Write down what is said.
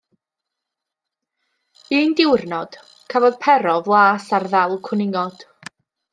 Un diwrnod, cafodd Pero flas ar ddal cwningod.